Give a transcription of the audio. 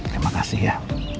terima kasih ya